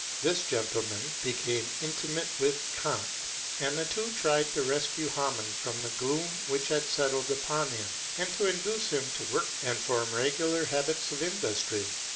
This gentleman became intimate with Kant, and the two tried to rescue Hamann from the gloom which had settled upon him, and to induce him to work and form regular habits of industry.